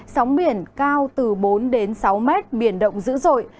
sóng biển cao từ bốn đến sáu mét biển động dữ dội